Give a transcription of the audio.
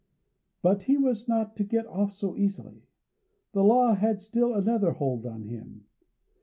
But he was not to get off so easily. The law had still another hold on him.